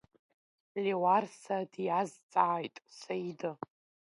Леуарса диазҵааит Саида.